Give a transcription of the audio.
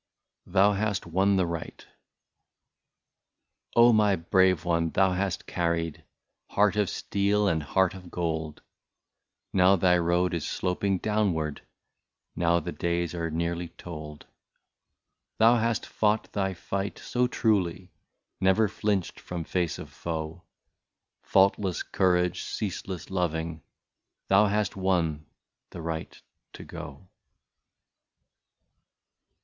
i87 THOU HAST WON THE RIGHT. Oh ! my brave one, thou hast carried Heart of steel and heart of gold ; Now thy road is sloping downward, Now the days are nearly told. Thou hast fought thy fight so truly. Never flinched from face of foe, Faultless courage, ceaseless loving,— Thou hast won the right to go.